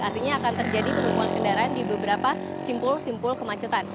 artinya akan terjadi penumpuan kendaraan di beberapa simpul simpul kemacetan